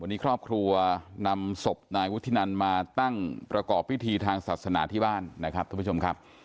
วันนี้ครอบครัวนำศพนายวุฒินันมาตั้งประกอบพิธีทางศาสนาที่บ้านนะครับท่านผู้ชมครับ